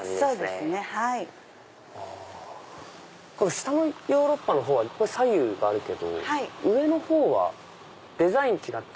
下のヨーロッパの方は左右があるけど上の方はデザイン違って。